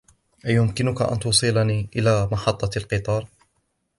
أيمكنك أن توصلني إلى محطة القطار ؟